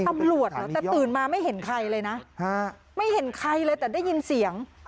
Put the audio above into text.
ตำรวจเหรอแต่ตื่นมาไม่เห็นใครเลยนะไม่เห็นใครเลยแต่ได้ยินเสียง